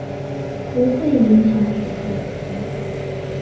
不会影响手术的结果。